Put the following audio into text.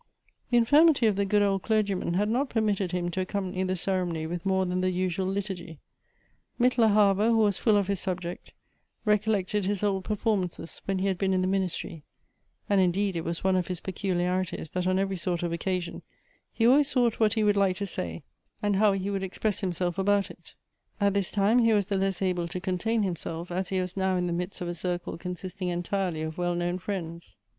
The infirmity of the good old clergyman had not per mitted him to accompany the ceremony with more than the usual liturgy Mittler, however, who was full of his subject, recollec ted his old performances when he had been in the ministry and indeed it was one of his peculiarities that on every sort of occasion, he always thought what he would like to say, and how he would express himself about it. At this time he was the Icsy able to contain himself, as he was now in the midst of a circle consisting entirely of well known friends.